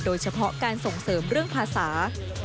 โดยเฉพาะการส่งเสริมเรื่องภาษา